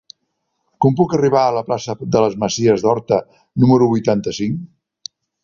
Com puc arribar a la plaça de les Masies d'Horta número vuitanta-cinc?